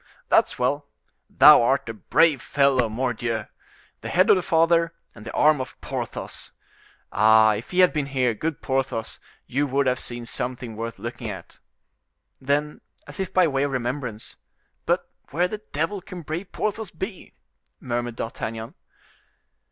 "That's well! Thou art a brave fellow, mordioux! The head of the father, and the arm of Porthos. Ah! if he had been here, good Porthos, you would have seen something worth looking at." Then as if by way of remembrance— "But where the devil can that brave Porthos be?" murmured D'Artagnan.